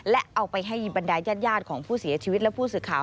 และเอาไปให้บรรดายญาติของผู้เสียชีวิตและผู้สื่อข่าว